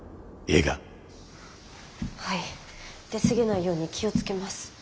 はい出過ぎないように気を付けます。